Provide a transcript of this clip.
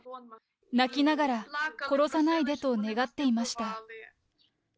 泣きながら、殺さないでと願っていました。